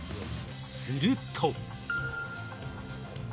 すると。